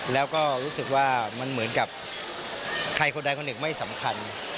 แล้วก็รู้สึกว่ามันเหมือนกับใครคนใดคนหนึ่งไม่สำคัญ